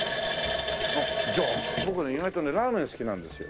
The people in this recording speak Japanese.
じゃあ僕ね意外とねラーメン好きなんですよ。